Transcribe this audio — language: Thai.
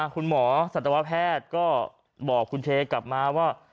คุณหมอสัตวแพทย์ก็บอกคุณเชกลับมาว่า